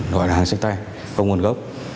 gọi là hàng sách tay không nguồn gốc